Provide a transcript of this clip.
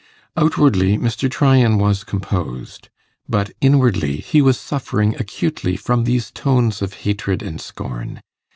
Outwardly Mr. Tryan was composed, but inwardly he was suffering acutely from these tones of hatred and scorn.